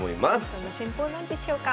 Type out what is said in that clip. どんな戦法なんでしょうか。